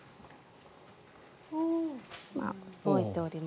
今、動いております。